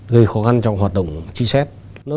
gây khó khăn trong hoạt động chi xét